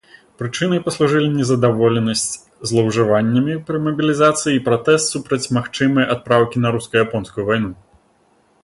Прычынай паслужылі незадаволенасць злоўжываннямі пры мабілізацыі і пратэст супраць магчымай адпраўкі на руска-японскую вайну.